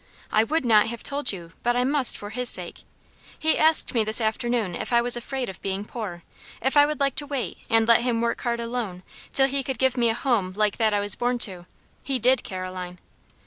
"I would not have told you, but I must for his sake. He asked me this afternoon if I was afraid of being poor? if I would like to wait, and let him work hard alone, till he could give me a home like that I was born to? He did, Caroline."